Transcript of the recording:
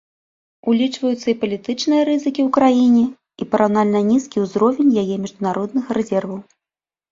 Улічваюцца і палітычныя рызыкі ў краіне і параўнальна нізкі ўзровень яе міжнародных рэзерваў.